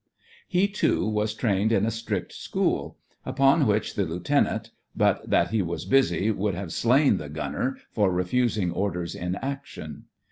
He, too, was trained in a strict school. Upon which the lieutenant, but that he was busy, would have slain the gunner for refusing orders in action.